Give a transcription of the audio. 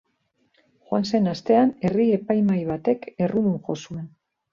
Joan den astean, herri epaimahai batek errudun jo zuen.